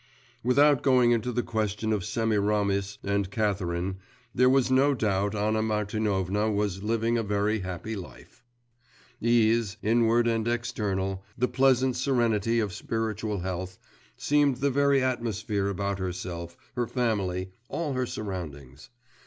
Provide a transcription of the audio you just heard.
Without going into the question of Semiramis and Catherine, there was no doubt Anna Martinovna was living a very happy life. Ease, inward and external, the pleasant serenity of spiritual health, seemed the very atmosphere about herself, her family, all her surroundings.